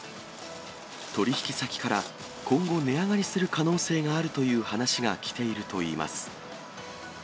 取り引き先から今後、値上がりする可能性があるという話が来ているといいます。